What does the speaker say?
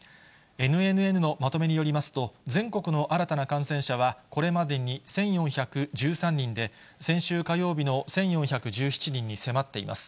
ＮＮＮのまとめによりますと、全国の新たな感染者は、これまでに１４１３人で、先週火曜日の１４１７人に迫っています。